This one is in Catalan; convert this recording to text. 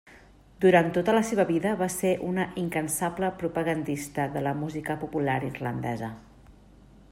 Durant tota la seva vida va ser una incansable propagandista de la música popular irlandesa.